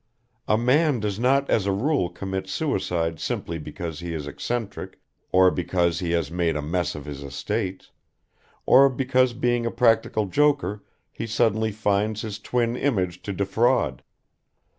A man does not as a rule commit suicide simply because he is eccentric or because he has made a mess of his estates, or because being a practical joker he suddenly finds his twin image to defraud.